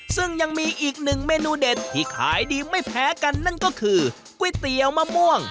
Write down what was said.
ซึ่งยังมีอีกหนึ่งเมนูเด็ดที่ขายดีไม่แพ้กันนั่นก็คือก๋วยเตี๋ยวมะม่วง